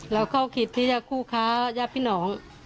แล้วเขาคิดที่คู่ค้าย่าพี่หนอง